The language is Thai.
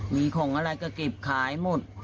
มีของอะไรก็เก็บขายหมด